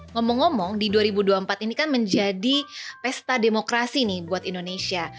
ngomong ngomong di dua ribu dua puluh empat ini kan menjadi pesta demokrasi nih buat indonesia